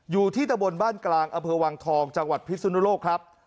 อยู่ที่ตะบนบ้านกลางอำเภอวังทองจังหวัดพิสุนุโลกครับ